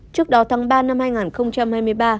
trước đó tháng ba năm hai nghìn hai mươi ba